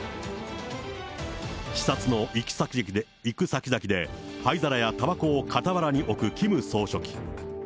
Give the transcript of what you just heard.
視察の行く先々で、灰皿やたばこを傍らに置くキム総書記。